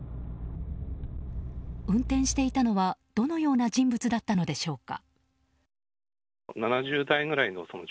運転していたのは、どのような人物だったのでしょうか。